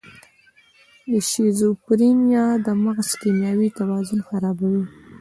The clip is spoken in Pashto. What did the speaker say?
د شیزوفرینیا د مغز کیمیاوي توازن خرابوي.